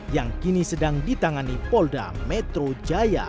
yang kini sedang ditangani polda metro jaya